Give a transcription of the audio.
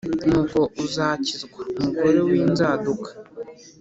nuko uzakizwa umugore w’inzaduka,